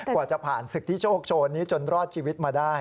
กว่าจะผ่านศึกที่โชคโชนนี้จนรอดชีวิตมาได้